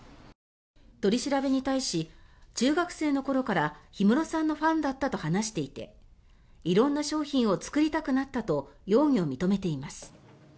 取り調べに対し中学生の頃から氷室さんのファンだったと話していて色んな商品を作りたくなったと容疑を認めています。